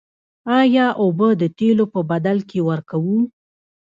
آیا اوبه د تیلو په بدل کې ورکوو؟